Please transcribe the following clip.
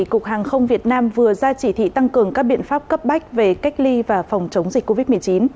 cục hàng không việt nam vừa ra chỉ thị tăng cường các biện pháp cấp bách về cách ly và phòng chống dịch covid một mươi chín